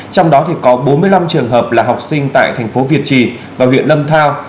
trong đó có bốn mươi năm trường hợp là học sinh tại thành phố việt trì và huyện lâm thao